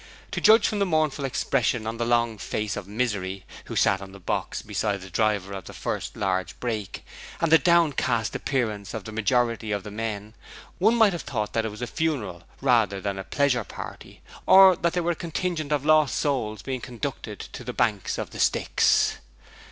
To judge from the mournful expression on the long face of Misery, who sat on the box beside the driver of the first large brake, and the downcast appearance of the majority of the men, one might have thought that it was a funeral rather than a pleasure party, or that they were a contingent of lost souls being conducted to the banks of the Styx.